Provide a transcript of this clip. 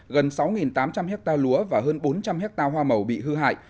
gần sáu tám trăm linh hectare lúa và hơn bốn trăm linh hectare hoa màu bị hư hại